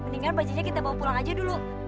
mendingan bajunya kita bawa pulang aja dulu